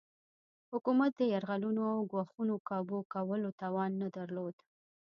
حکومت د یرغلونو او ګواښونو کابو کولو توان نه درلود.